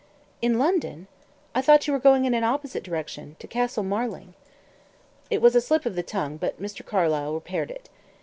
"In London? I thought you were going in an opposite direction to Castle Marling?" It was a slip of the tongue, but Mr. Carlyle repaired it.